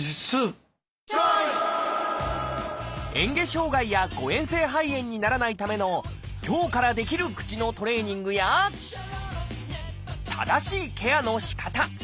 えん下障害や誤えん性肺炎にならないための今日からできる正しいケアのしかた。